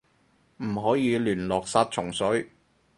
唔可以亂落殺蟲水